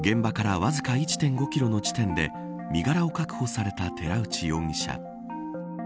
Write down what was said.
わずか１．５キロの地点で身柄を確保された寺内容疑者。